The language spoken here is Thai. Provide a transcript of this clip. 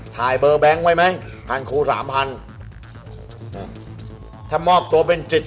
ถ่ายเบอร์แบงค์ไว้ไหมพันครูสามพันถ้ามอบตัวเป็นจิต